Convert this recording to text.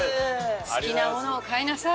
好きなものを買いなさい。